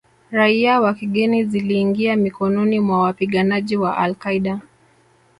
raia wa kigeni ziliingia mikononi mwa wapiganaji wa Al Qaeda